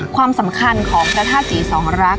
ความสำคัญของกาท่าสสีสองรัก